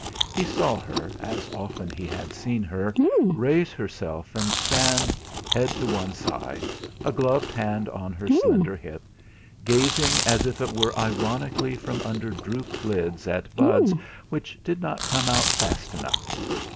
He saw her, as often he had seen her, raise herself and stand, head to one side, a gloved hand on her slender hip, gazing as it were ironically from under drooped lids at buds which did not come out fast enough.